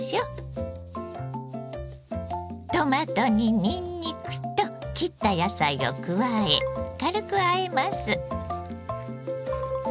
トマトににんにくと切った野菜を加え軽くあえます。